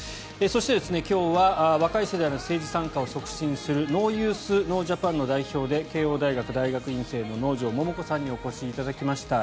そして今日は若い世代の政治参加を促進するＮＯＹＯＵＴＨＮＯＪＡＰＡＮの代表で慶應大学大学院生の能條桃子さんにお越しいただきました。